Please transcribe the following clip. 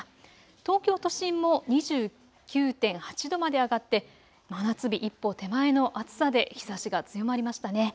東京都心も２９．８度まで上がって真夏日一歩手前の暑さで日ざしが強まりましたね。